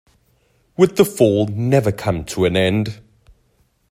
Would the fall never come to an end!